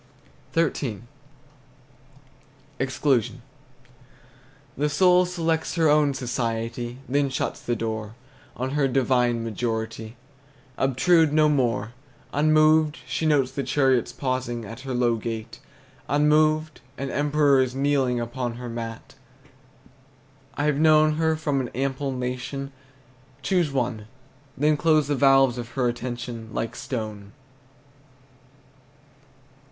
XIII. EXCLUSION. The soul selects her own society, Then shuts the door; On her divine majority Obtrude no more. Unmoved, she notes the chariot's pausing At her low gate; Unmoved, an emperor is kneeling Upon her mat. I've known her from an ample nation Choose one; Then close the valves of her attention Like stone.